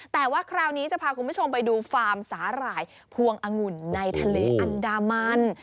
แต่ว่าคราวนี้จะพาคุณผู้ชมไปดูฟาร์มสาหร่ายพวงองุ่นในทะเลอันดามัน